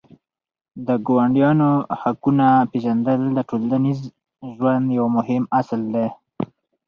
د ګاونډیانو حقونه پېژندل د ټولنیز ژوند یو مهم اصل دی.